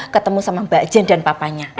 ketemu sama mbak jen dan papanya